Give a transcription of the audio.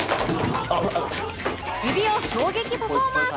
指男衝撃パフォーマンス！